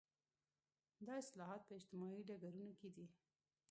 دا اصلاحات په اجتماعي ډګرونو کې دي.